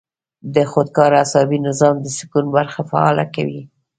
د خودکار اعصابي نظام د سکون برخه فعاله کوي -